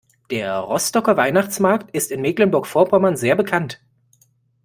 Der Rostocker Weihnachtsmarkt ist in Mecklenburg Vorpommern sehr bekannt.